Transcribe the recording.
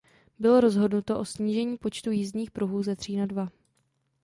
Bylo rozhodnuto o snížení počtu jízdních pruhů ze tří na dva.